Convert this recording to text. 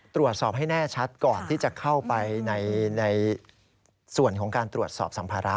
ตรวจสอบให้แน่ชัดก่อนที่จะเข้าไปในส่วนของการตรวจสอบสัมภาระ